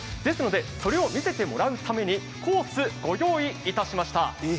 それを見せてもらうためにコース、ご用意いたしました。